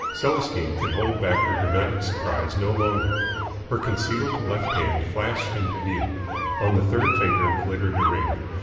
Celestine could hold back her dramatic surprise no longer. Her concealed left hand flashed into view. On the third finger glittered a ring.